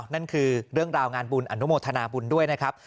นั่นคือเรื่องราวงานบุญอนุโมทนาบุญด้วยนะครับ